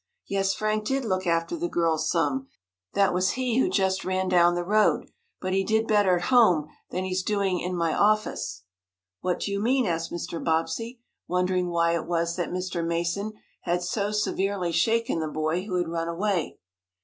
"Yes, Frank did look after the girls some. That was he who just ran down the road. But he did better at home than he's doing in my office. "What do you mean?" asked Mr. Bobbsey, wondering why it was that Mr. Mason had so severely shaken the boy who had run away.